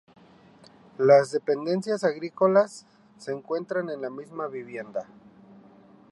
Las dependencias agrícolas se encuentran en la misma vivienda.